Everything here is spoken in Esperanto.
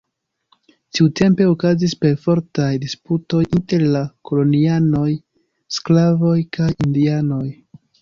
Tiutempe okazis perfortaj disputoj inter la kolonianoj, sklavoj, kaj indianoj.